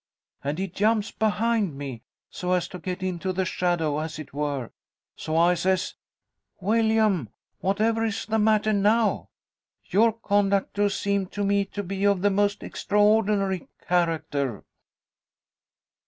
And he jumps behind me, so as to get into the shadow, as it were. So I says, 'Willyum, whatever is the matter now? Your conduct do seem to me to be of the most extraordinary character.'